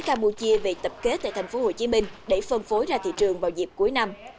campuchia về tập kết tại tp hcm để phân phối ra thị trường vào dịp cuối năm